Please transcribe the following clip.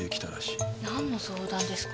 何の相談ですか？